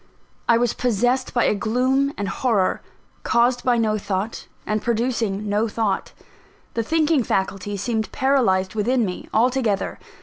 I was possessed by a gloom and horror, caused by no thought, and producing no thought: the thinking faculty seemed paralysed within me, altogether.